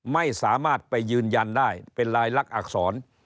ไม่สามารถไปยืนยันได้เป็นลายลักษร